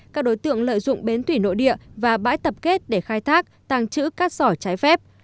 các đối tượng lợi dụng bến thủy nội địa và bãi tập kết để khai thác tàng trữ cát sỏi trái phép